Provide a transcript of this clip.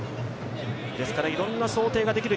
ですからいろんな想定ができる